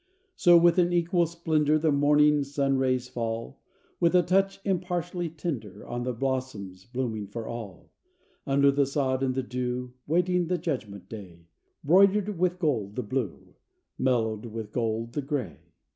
So with an equal splendor The morning sun rays fall, With a touch impartially tender, On the blossoms blooming for all Under the sod and the dew, Waiting the judgment day; Broidered with gold, the Blue; Mellowed with gold, the Gray.